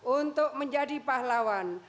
untuk menjadi pahlawan